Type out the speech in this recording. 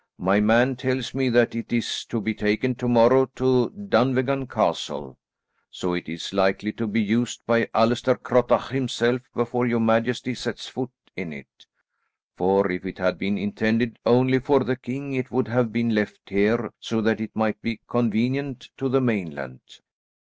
My man tells me that it is to be taken to morrow to Dunvegan Castle, so it is likely to be used by Allaster Crottach himself before your majesty sets foot in it, for if it had been intended only for the king it would have been left here so that it might be convenient to the mainland.